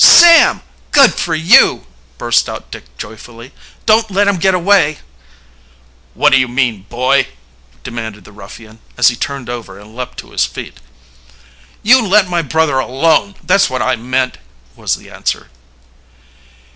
"Sam! Good for you!" burst out Dick joyfully. "Don't let him get away!" "What do you mean, boy?" demanded the ruffian, as he turned over and leaped to his feet. "You let my brother alone that's what I mean," was the answer.